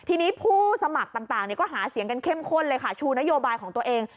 ทีนี้ผู้สมัครต่างก็หาเสียงกันเข้มข้นเลยค่ะชูนโยบายของตัวเอง